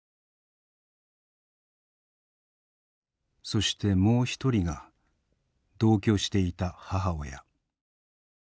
そしてもう一人が同居していた母親。